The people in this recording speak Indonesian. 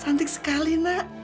cantik sekali nak